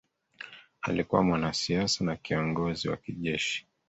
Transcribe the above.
Alikuwa mwanasiasa na kiongozi wa kijeshi